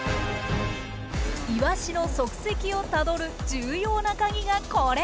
イワシの足跡をたどる重要なカギがこれ。